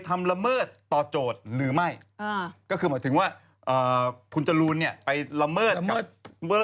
ขณะตอนอยู่ในสารนั้นไม่ได้พูดคุยกับครูปรีชาเลย